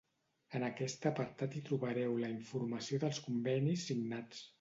En aquest apartat hi trobareu la informació dels convenis signats.